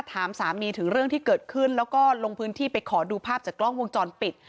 ถามสามีถึงเรื่องที่เกิดขึ้นแล้วก็ลงพื้นที่ไปขอดูภาพจากกล้องวงจรปิด